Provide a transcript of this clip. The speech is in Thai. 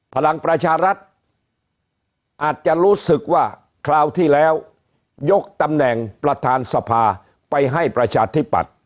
พลังประชารัฐอาจจะรู้สึกว่าคราวที่แล้วยกตำแหน่งประธานสภาไปให้ประชาธิปัตย์